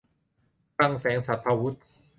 คลังแสงสรรพาวุธ